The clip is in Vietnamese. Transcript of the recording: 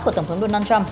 của tổng thống donald trump